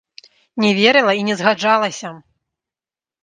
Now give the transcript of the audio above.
Не верыла і не згаджалася!